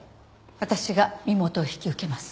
私が身元を引き受けます。